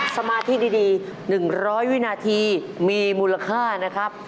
สมาธิดี๑๐๐วินาทีมีมูลค่านะครับ